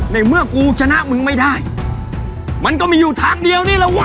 ในเมื่อกูชนะมึงไม่ได้มันก็มีอยู่ทางเดียวนี่แหละวะ